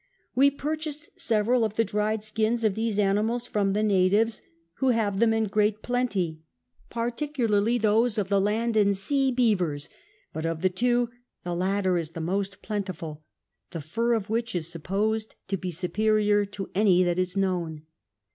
We purchased several of the dried skins of these animals from the natives, who have them in great plenty ; particularly those of the land and sea beavers, but of the two the latter is the most plentiful, the fnr of which is supposed to be superior to any that is known.